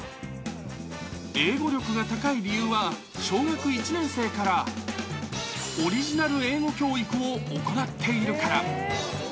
英語力が高い理由は、小学１年生から、オリジナル英語教育を行っているから。